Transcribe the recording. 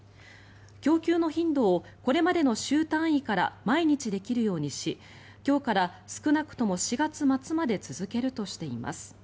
供給の頻度をこれまでの週単位から毎日できるようにし今日から少なくとも４月末まで続けるとしています。